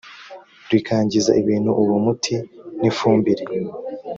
rikangiza ibintu uwo muti n ifumbire